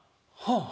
はあ。